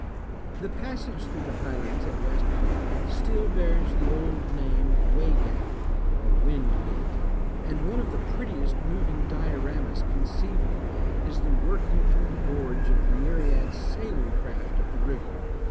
The passage through the highlands at West Point still bears the old name of Wey gat, or Wind gate; and one of the prettiest moving dioramas conceivable, is the working through the gorge of the myriad sailing craft of the river.